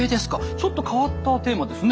ちょっと変わったテーマですね。